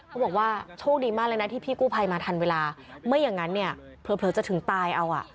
เขาบอกว่าโชคดีมากเลยนะที่พี่กู้ภัยมาทันเวลาไม่อย่างนั้นเนี่ยเผลอจะถึงตายเอาอ่ะ